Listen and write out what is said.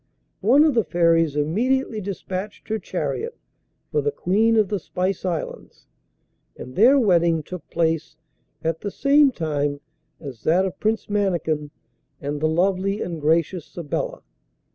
One of the Fairies immediately despatched her chariot for the Queen of the Spice Islands, and their wedding took place at the same time as that of Prince Mannikin and the lovely and gracious Sabella.